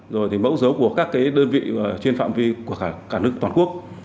rồi thì mẫu dấu của các cái đơn vị trên phạm vi của cả nước